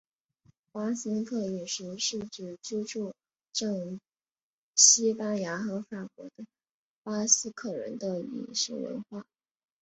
巴斯克饮食是指居住证西班牙和法国的巴斯克人的饮食文化。